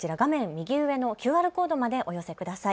右上のＱＲコードまでお寄せください。